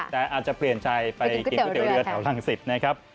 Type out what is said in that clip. แต่อาจจะเปลี่ยนชัยไปกินก๋วยเตี๋ยวเรือเท่าล่างสิบนะครับ